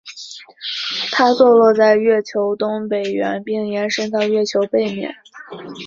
它坐落在月球东北缘并延伸到月球背面。